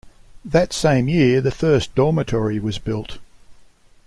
That same year the first dormitory was built.